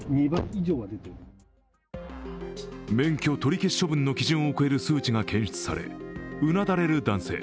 免許取り消し処分の基準を超える数値が検出されうなだれる男性。